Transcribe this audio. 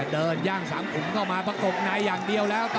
เดินย่างสังผงเข้ามาพกกไหนอย่างเดียวแล้ว